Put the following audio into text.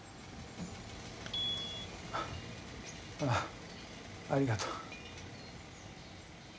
ああありがとう。